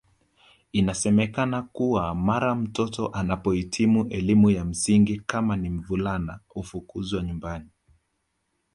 Inasemekana kuwa mara mtoto anapoitimu elimu ya msingi kama ni mvulana ufukuzwa nyumbani